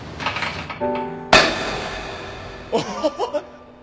おっ！